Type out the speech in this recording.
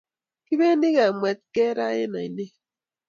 Kibendi kemwet kee raaa en oinet